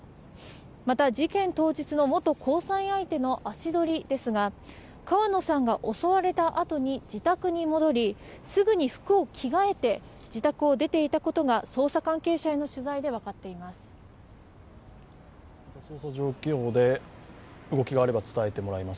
また、事件当日の元交際相手の足取りですが、川野さんが襲われたあとに自宅に戻り、すぐに服を着替えて自宅を出たことが、捜査関係者への取材で分かっています。